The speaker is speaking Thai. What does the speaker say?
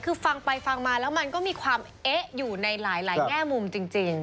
คือฟังไปฟังมาแล้วมันก็มีความเอ๊ะอยู่ในหลายแง่มุมจริง